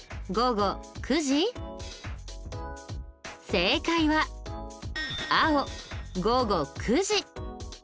正解は青午後９時。